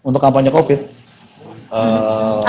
apa tuh kampanye apa